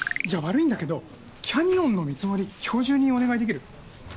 じゃ悪いんだけどキャニオンの見積もり今日中にお願いできる？